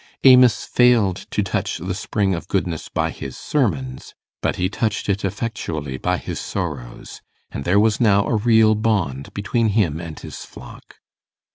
Amos failed to touch the spring of goodness by his sermons, but he touched it effectually by his sorrows; and there was now a real bond between him and his flock.